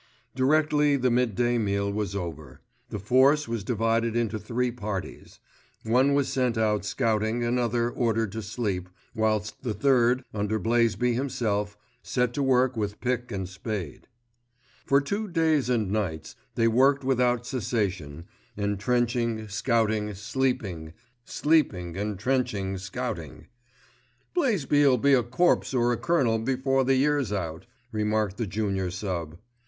Directly the mid day meal was over, the force was divided into three parties: one was sent out scouting, another ordered to sleep, whilst the third, under Blaisby himself, set to work with pick and spade. For two days and nights they worked without cessation: entrenching, scouting, sleeping; sleeping, entrenching, scouting. "Blaisby'll be a corpse or a colonel before the year's out," remarked the junior sub.